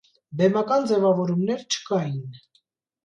Բեմական ձեւաւորումներ չկային։